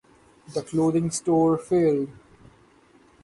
The clothing store failed.